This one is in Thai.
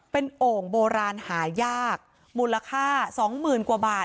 เป็นโอ่งโบราณหายากมูลค่าสองหมื่นกว่าบาท